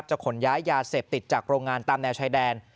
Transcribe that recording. ขนย้ายยาเสพติดจากโรงงานตามแนวชายแดน